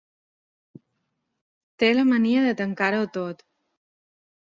Té la mania de tancar-ho tot.